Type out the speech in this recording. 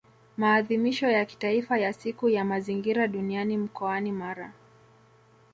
Maadhimisho ya Kitaifa ya Siku ya mazingira duniani mkoani Mara